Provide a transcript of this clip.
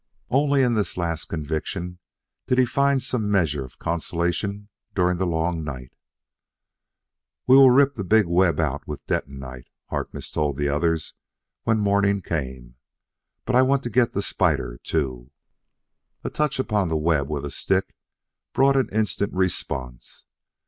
Only in this last conviction did he find some measure of consolation during the long night. "We will rip the big web out with detonite," Harkness told the others when morning came. "But I want to get the spider, too." A touch upon the web with a stick brought an instant response.